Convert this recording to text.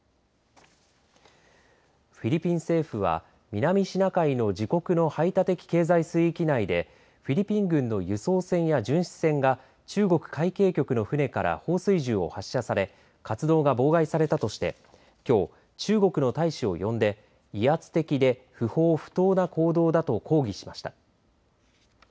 フィリピン政府は南シナ海の自国の排他的経済水域内でフィリピン軍の輸送船や巡視船が中国海警局の船から放水銃を発射され活動が妨害されたとしてきょう、中国の大使を呼んで威圧的で不法・不当な行動だと抗議しました。